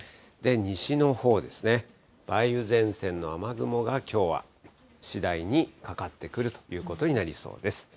西のほうですね、梅雨前線の雨雲が、きょうは次第にかかってくるということになりそうです。